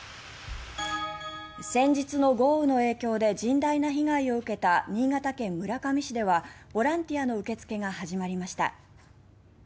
先日の豪雨の影響で甚大な被害を受けた新潟県村上市ではボランティアの受け付けが始まりました。